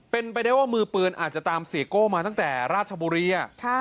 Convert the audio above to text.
เป็นไปได้ว่ามือปืนอาจจะตามเสียโก้มาตั้งแต่ราชบุรี